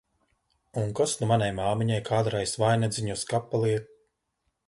Un kas nu manai māmiņai kādreiz vainadziņu uz kapa liek!